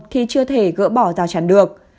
thì chưa thể gỡ bỏ ra chẳng được